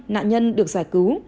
một trăm linh nạn nhân được giải cứu